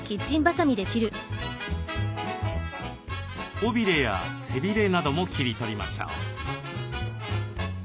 尾びれや背びれなども切り取りましょう。